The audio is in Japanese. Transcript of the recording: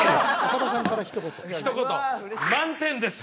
岡田さんからひと言ひと言満点です